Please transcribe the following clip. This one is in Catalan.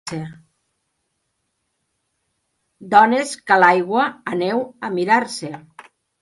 Dones que a l'aigua aneu a mirar-se